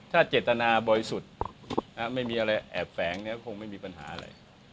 ถ้าเจตนาบริสุทธิ์ไม่มีอะไรแอบแฝงเนี่ยคงไม่มีปัญหาอะไร